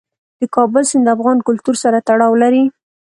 د کابل سیند د افغان کلتور سره تړاو لري.